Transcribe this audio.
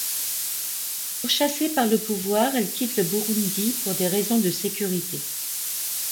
Pourchassée par le pouvoir, elle quitte le Burundi pour des raisons de sécurité.